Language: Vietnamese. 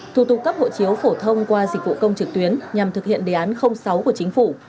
thủ tục cấp hộ chiếu phổ thông qua dịch vụ công trực tuyến nhằm thực hiện đề án sáu của chính phủ